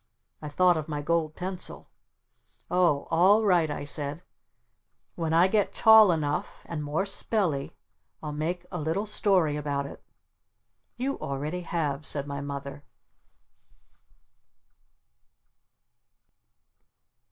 I thought of my gold pencil. "Oh, all right," I said, "when I get tall enough and more spelly I'll make a little story about it." "You already have!" said my Mother.